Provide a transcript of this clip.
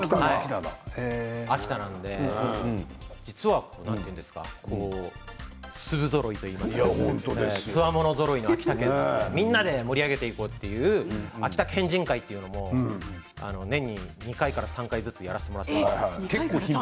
秋田なので粒ぞろいといいますかつわものぞろいの秋田県みんなで盛り上げていこうという秋田県人会も年に２回から３回ずつやらせてもらっています。